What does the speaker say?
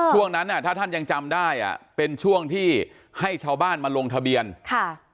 ช่วงนั้นอ่ะถ้าท่านยังจำได้อ่ะเป็นช่วงที่ให้ชาวบ้านมาลงทะเบียนค่ะ